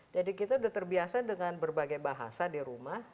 jadi kita udah terbiasa dengan berbagai bahasa di rumah